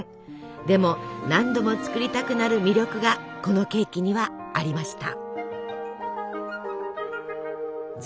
でも何度も作りたくなる魅力がこのケーキにはありました。